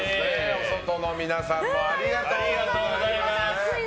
お外の皆さんもありがとうございます。